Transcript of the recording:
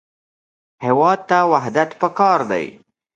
هېواد ته وحدت پکار دی